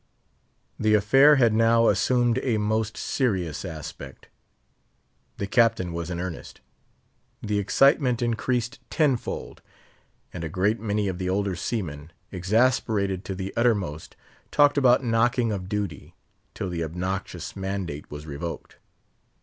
The affair had now assumed a most serious aspect. The Captain was in earnest. The excitement increased ten fold; and a great many of the older seamen, exasperated to the uttermost, talked about knocking of duty till the obnoxious mandate was revoked.